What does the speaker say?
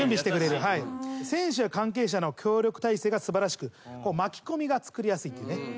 選手や関係者の協力体制が素晴らしく巻き込みがつくりやすいっていうね。